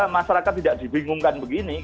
masyarakat tidak dibingungkan begini